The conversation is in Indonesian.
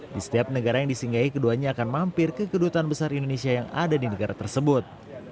di setiap negara yang disinggahi keduanya akan mampir ke kedutaan besar indonesia yang ada di negara tersebut